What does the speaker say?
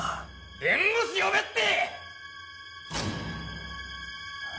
弁護士呼べって！